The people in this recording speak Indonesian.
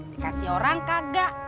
dikasih orang kagak